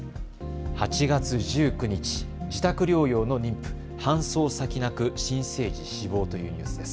８月１９日、自宅療養の妊婦、搬送先なく新生児死亡というニュースです。